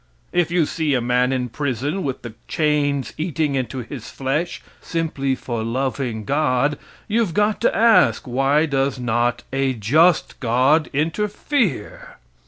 If you see a man in prison with the chains eating into his flesh simply for loving God, you've got to ask why does not a just God interfere?